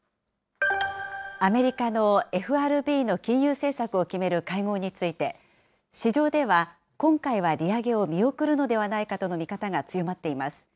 アメリカのＦＲＢの金融政策を決める会合について、市場では、今回は利上げを見送るのではないかとの見方が強まっています。